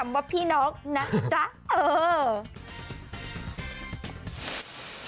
กดอย่างวัยจริงเห็นพี่แอนทองผสมเจ้าหญิงแห่งโมงการบันเทิงไทยวัยที่สุดค่ะ